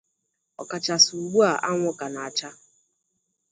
ọkachasị ugbu a anwụ ka na-acha